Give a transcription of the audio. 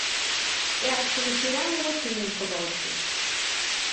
Iɛeṭṭel kra i wakken yewweḍ-d.